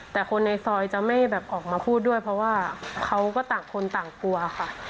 แต่คนในซอยจะไม่แบบออกมาพูดด้วยเพราะว่าเขาก็ต่างคนต่างกลัวค่ะ